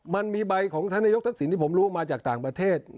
มันมีใบของท่านนายกทักษิณที่ผมรู้มาจากต่างประเทศ